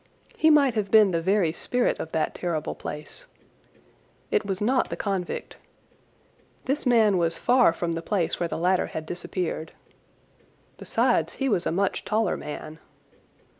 He might have been the very spirit of that terrible place. It was not the convict. This man was far from the place where the latter had disappeared. Besides, he was a much taller man.